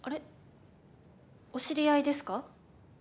お知り合いですか？